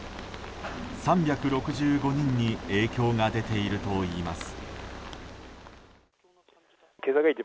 ３６５人に影響が出ているといいます。